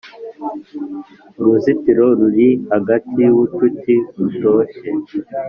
uruzitiro ruri hagati yubucuti butoshye.